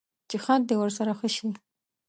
چې خط دې ورسره ښه شي.